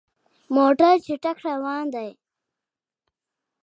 موټر چټک روان دی.